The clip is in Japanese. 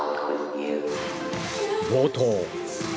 冒頭。